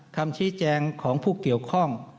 คำชี้แจงของผู้เกี่ยวข้อง